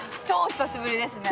久しぶりですね。